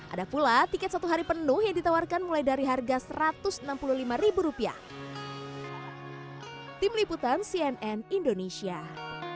ada pula tiket satu hari penuh yang ditawarkan mulai dari harga satu ratus enam puluh lima rupiah